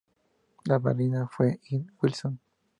La madrina fue Enid Wilson.